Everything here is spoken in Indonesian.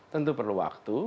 tentu perlu waktu